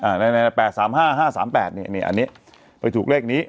อันนี้ไปถูกเลขนี้